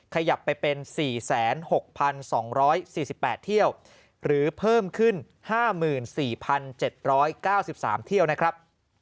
ขยับไปเป็น๔๖๒๔๘เที่ยวหรือเพิ่มขึ้น๕๔๗๙๓เที่ยวนะครับ